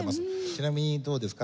ちなみにどうですか？